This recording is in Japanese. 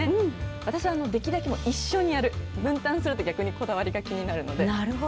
私はできるだけ、一緒にやる、分担すると逆にこだわりが気になるなるほど。